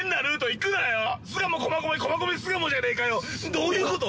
どういうこと？